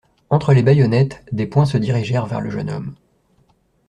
Entre les baïonnettes, des poings se dirigèrent vers le jeune homme.